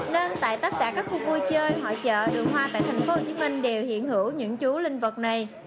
nên tại tất cả các khu vui chơi hội chợ đường hoa tại tp hcm đều hiện hữu những chú linh vật này